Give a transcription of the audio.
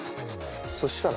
そしたら。